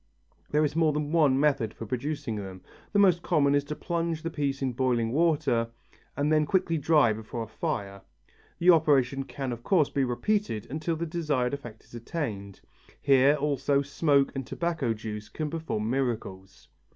There is more than one method for producing them, the most common is to plunge the piece into boiling water and then dry quickly before a fire. The operation can of course be repeated until the desired effect is attained. Here also smoke and tobacco juice can perform miracles.